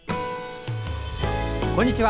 こんにちは。